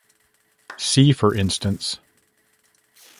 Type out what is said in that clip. See for instance.